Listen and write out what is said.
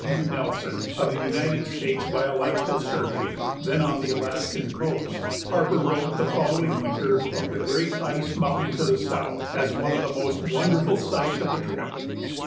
W. Nelson, of the United States Biological Survey, then on the Alaskan coast, Harper wrote the following winter of the "great ice mountain to the south" as one of the most wonderful sights of the trip.